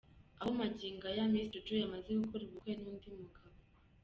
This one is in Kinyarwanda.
Aho magingo aya Miss Jojo yamaze gukora ubukwe n’ undi mugabo.